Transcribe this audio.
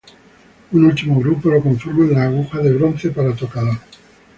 Un último grupo lo conforman las agujas de bronce para tocador.